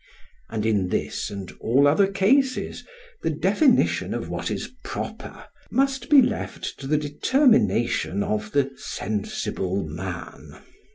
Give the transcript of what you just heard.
And in this and all other cases the definition of what is proper must be left to the determination of "the sensible man."